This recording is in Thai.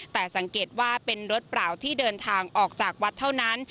แต่สังเกตว่าเป็นรถเปล่าที่เดินทางออกจากวัดเท่านั้น